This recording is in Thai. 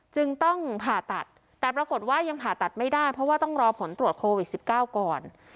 จึงต้องผ่าตัดแต่ปรากฏว่ายังผ่าตัดไม่ได้เพราะว่าต้องรอผลตรวจโควิด๑๙ก่อน